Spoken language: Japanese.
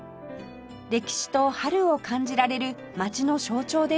歴史と春を感じられる街の象徴です